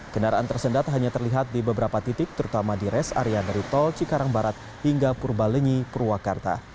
kendaraan tersendat hanya terlihat di beberapa titik terutama di rest area dari tol cikarang barat hingga purbalenyi purwakarta